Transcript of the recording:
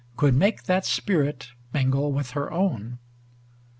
Could make that spirit mingle with her own.